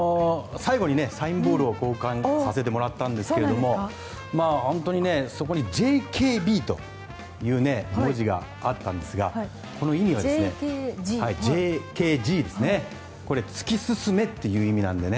最後に、サインボールを交換させてもらったんですが本当にＪＫＧという文字があったんですがこの意味は、突き進めという意味なのでね。